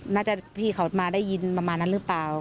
พี่เขามาได้ยินประมาณนั้นหรือเปล่า